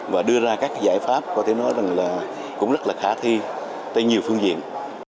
và đưa ra các giải pháp có thể nói là cũng rất là khả thi tại nhiều phương diện